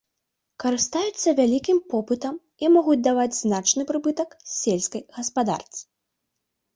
Карыстаюцца вялікім попытам і могуць даваць значны прыбытак сельскай гаспадарцы.